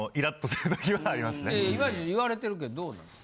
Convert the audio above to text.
いや今市言われてるけどどうなん？